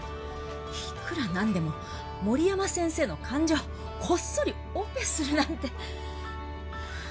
いくらなんでも森山先生の患者をこっそりオペするなんて！